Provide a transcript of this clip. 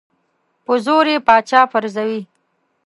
په زور یې پاچا پرزوي.